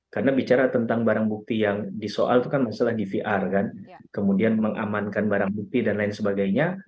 karena bicara tentang barang bukti yang disoal itu kan masalah dvr kan kemudian mengamankan barang bukti dan lain sebagainya